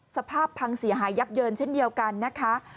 สภาพพังเสียหายยับเยินเช่นเดียวกันนะคะ